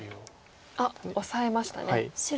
オサえましたね。